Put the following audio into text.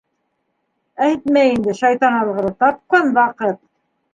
— Әйтмә инде, шайтан алғыры, тапҡан ваҡыт!